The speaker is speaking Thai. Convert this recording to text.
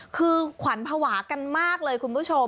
คือขวัญภาวะกันมากเลยคุณผู้ชม